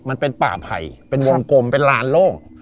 มันเป็นป่าไผ่เป็นวงกลมเป็นลานโล่ง